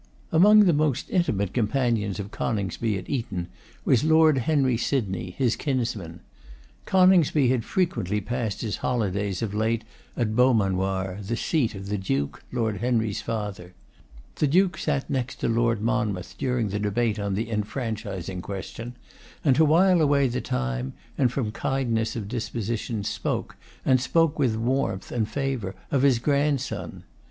Among the most intimate companions of Coningsby at Eton, was Lord Henry Sydney, his kinsman. Coningsby had frequently passed his holydays of late at Beaumanoir, the seat of the Duke, Lord Henry's father. The Duke sat next to Lord Monmouth during the debate on the enfranchising question, and to while away the time, and from kindness of disposition, spoke, and spoke with warmth and favour, of his grandson.